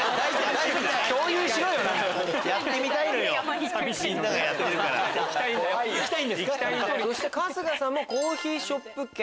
そして春日さんもコーヒーショップ券。